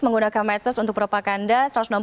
menggunakan medsos untuk propaganda